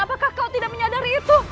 apakah kau tidak menyadari itu